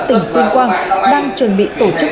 tỉnh tuyên quang đang chuẩn bị tổ chức